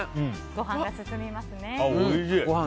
ご飯が進みますね。